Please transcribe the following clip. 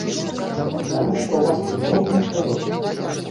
Таму што ў вас цудоўная прырода.